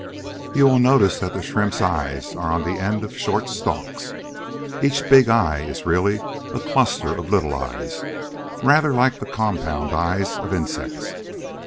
You will notice that the Shrimp's eyes are on the end of short stalks. Each big eye is really a cluster of little eyes, rather like the "compound eyes" of insects.